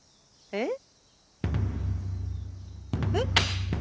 えっ？